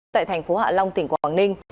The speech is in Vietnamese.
tại thành phố hạ long tỉnh quảng ninh